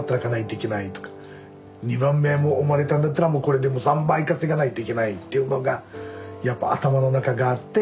２番目も生まれたんだったらもうこれでもう３倍稼がないといけないっていうのがやっぱ頭の中があって。